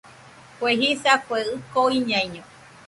Kue jisa, Kue ɨko iñaiño